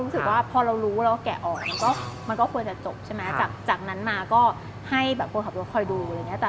ซึ่งภาพแบบไม่รู้เรื่อง